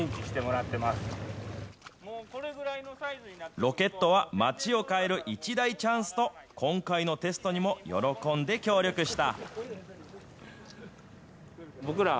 ロケットは町を変える一大チャンスと、今回のテストにも喜んで協力した。